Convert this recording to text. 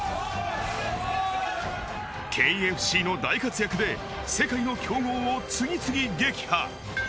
Ｋ・Ｆ・Ｃの大活躍で世界の強豪を次々撃破。